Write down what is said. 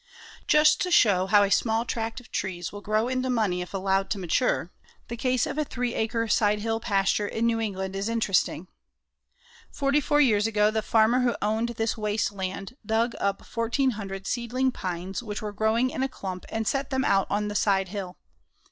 Just to show how a small tract of trees will grow into money if allowed to mature, the case of a three acre side hill pasture in New England is interesting. Forty four years ago the farmer who owned this waste land dug up fourteen hundred seedling pines which were growing in a clump and set them out on the sidehill.